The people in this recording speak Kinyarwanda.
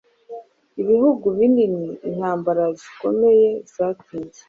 Ibihugu binini, Intambara zikomeye zatinze,